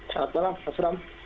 selamat malam mas ram